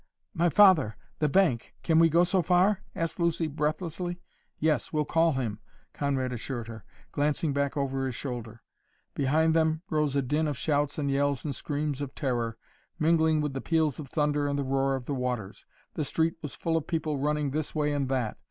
"My father the bank can we go so far?" asked Lucy breathlessly. "Yes we'll call him," Conrad assured her, glancing back over his shoulder. Behind them rose a din of shouts and yells and screams of terror, mingling with the peals of thunder and the roar of the waters. The street was full of people running this way and that.